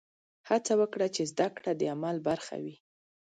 هڅه وکړه چې زده کړه د عمل برخه وي.